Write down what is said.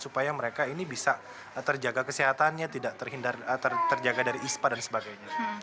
supaya mereka ini bisa terjaga kesehatannya tidak terjaga dari ispa dan sebagainya